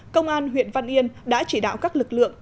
công an huyện văn yên đã chỉ đạo các lực lượng